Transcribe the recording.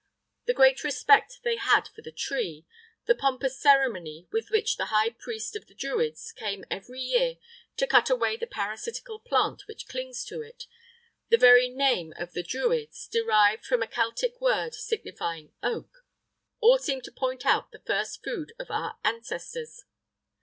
The great respect they had for the tree, the pompous ceremony with which the high priest of the Druids came every year to cut away the parasitical plant which clings to it, the very name of the Druids derived from a celtic word signifying oak all seem to point out the first food of our ancestors.